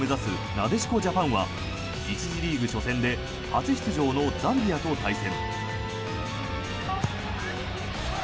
なでしこジャパンは１次リーグ初戦で初出場のザンビアと対戦。